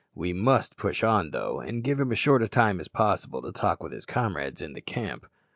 We must push on, though, and give him as short time as possible to talk with his comrades in the camp."